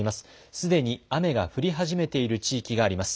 すでに雨が降り始めている地域があります。